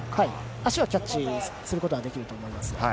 足はキャッチすることができると思います。